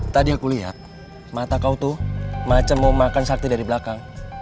tadi aku lihat mata kau tuh macam mau makan sakti dari belakang